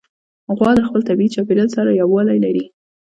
غوا د خپل طبیعي چاپېریال سره یووالی لري.